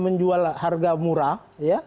menjual harga murah ya